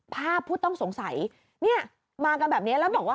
ผู้ต้องสงสัยเนี่ยมากันแบบนี้แล้วบอกว่า